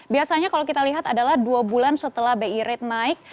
biasanya kalau kita lihat adalah dua bulan setelah bi rate naik